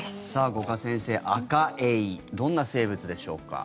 五箇先生、アカエイどんな生物でしょうか。